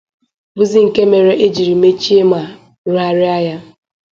bụzị nke mere e jiri mechie ma rụgharịa ya